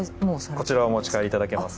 こちらはお持ち帰りいただけます。